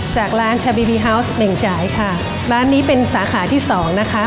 จากร้านชาบีบีฮาวส์เปล่งจ่ายค่ะร้านนี้เป็นสาขาที่สองนะคะ